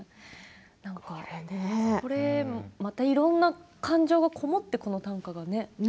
また、いろんな感情が籠もってこの短歌がね